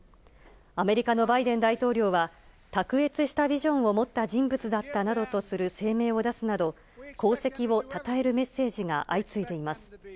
アメリカのバイデン大統領は、卓越したビジョンを持った人物だったなどとする声明を出すなど、功績をたたえるメッセージが相次いでいます。